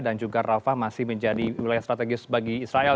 dan juga rafah masih menjadi wilayah strategis bagi israel